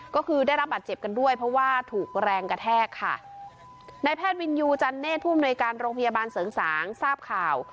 ก็คือได้รับบาดเจ็บกันด้วยเพราะว่าถูกแรงกระแทกค่ะในแพทย์วินยูจันเนธผู้อำนวยการโรงพยาบาลเสริงสางทราบข่าว